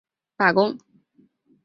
国营电力局和水务局也酝酿罢工。